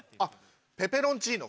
ペペロンチーノ